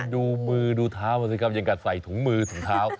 ดูมือดูเท้ามาสิครับยังกัดใส่ถุงมือถุงเท้า